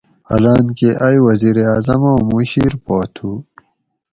حالانکہ ائ وزیر اعظماں مُشیر پا تھو